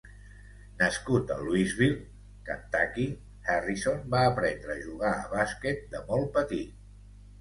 Nascut a Louisville, Kentucky, Harrison va aprendre a jugar a bàsquet de molt petit.